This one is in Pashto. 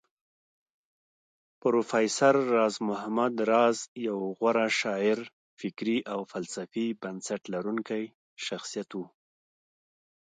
پروفېسر راز محمد راز يو غوره شاعر فکري او فلسفي بنسټ لرونکی شخصيت و